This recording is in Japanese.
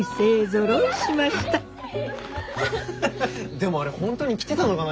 でもあれ本当に来てたのかな？